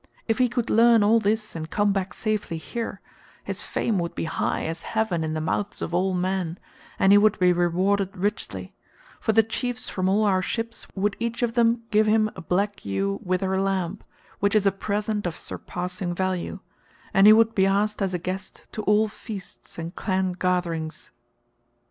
If he could learn all this and come back safely here, his fame would be high as heaven in the mouths of all men, and he would be rewarded richly; for the chiefs from all our ships would each of them give him a black ewe with her lamb—which is a present of surpassing value—and he would be asked as a guest to all feasts and clan gatherings."